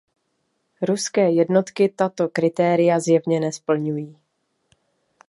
Ruské jednotky tato kritéria zjevně nesplňují.